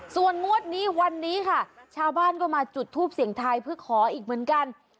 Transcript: ส่วนงวดนี้วันนี้ค่ะชาวบ้านก็มาจุดทูปเสียงทายเพื่อขออีกเหมือนกัน